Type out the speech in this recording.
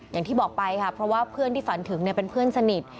อย่างที่บอกไปค่ะเพราะว่าเพื่อนที่ฝันถึงเป็นเพื่อนสนิท